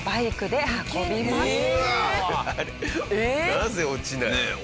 なぜ落ちない？ねえ。